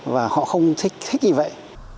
và họ không thích như vậy